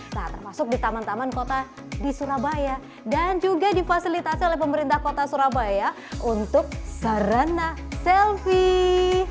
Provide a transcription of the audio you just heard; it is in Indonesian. nah termasuk di taman taman kota di surabaya dan juga difasilitasi oleh pemerintah kota surabaya untuk sarana selfie